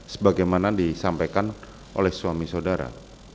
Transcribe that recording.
sebagaimana disampaikan oleh suami saudara